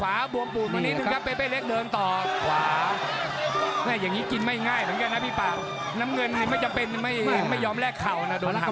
แต่ไม่มีอาการไม่มีอาการ